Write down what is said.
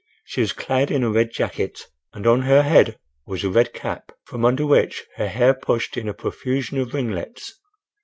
She was clad in a red jacket, and on her head was a red cap, from under which her hair pushed in a profusion of ringlets.